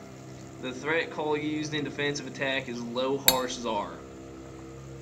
The threat call used in defensive attack is a low harsh zaar.